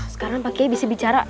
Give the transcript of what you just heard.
sekarang pak kiai bisa bicara